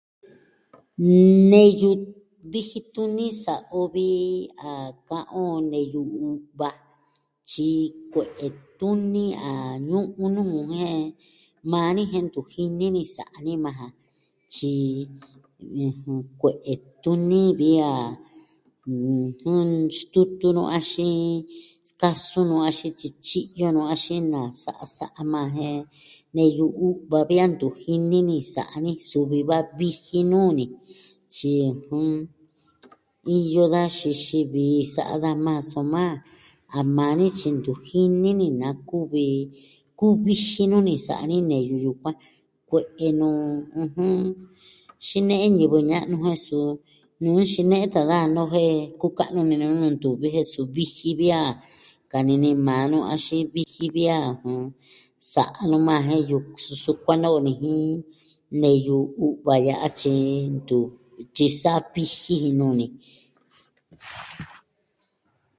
Neyu viji tuni sa'a o a ka'an on neyu u'va. Tyi kue'e tuni a ñu'un nuu jen maa ni jen ntu jini ni sa'a ni majan. Tyi kue'e tuni vi a, ɨjɨn, naxitutu nu, axin sikasun nu axin tyityi'yo nu axin nasa sa'a maa, jen neyu u'va vi a ntu jini ni sa'a ni, suvi va viji nuu ni. Tyi, jɨn, iyo da xixi vi sa'a daja majan, soma a maa ni tyi ntu jini ni na kuvi. Kuviji nuu ni sa'a ni neyu yukuan. Kue'e nuu, ɨjɨn, xine'e ñivɨ ña'nu jen suu, nuu xine'e tan daja noo jen kuka'nu ini ni ntuvi, jen suu viji vi a. Kanini maa nu axin viji vi a. Sa'a nu maa jen yu... sukuan no'o niji neyu u'va ya'a, tyi ntu tyisa viji ji nuu ni.